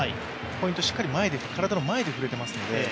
ポイントを、しっかり体の前で振れているので。